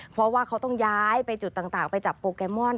เพราะว่าเขาต้องย้ายไปจุดต่างไปจับโปเกมอน